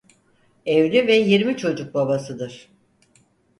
Evli ve yirmi çocuk babasıdır.